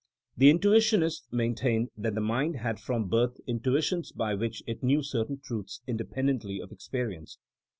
The intuitionists maintained that the mind had from birth intuitions by which it knew certain truths independently of experience.